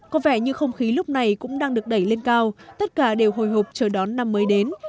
có vẻ như không khí lúc này cũng đang được đẩy lên cao tất cả đều hồi hộp chờ đón năm mới đến